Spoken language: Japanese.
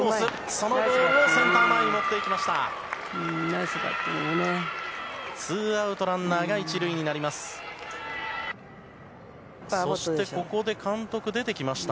そのボールをセンター前に持っていきました。